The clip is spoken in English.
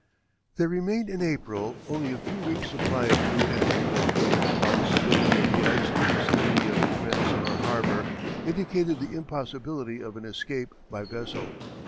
There remained in April only a few weeks' supply of food and fuel, while the solidity of the ice in the vicinity of Rensselaer Harbor indicated the impossibility of an escape by vessel.